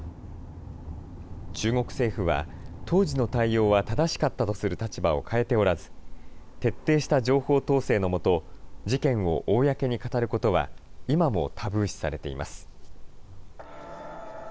中国政府は、当時の対応は正しかったとする立場を変えておらず、徹底した情報統制の下、事件を公に語ることは今もタブー視されています。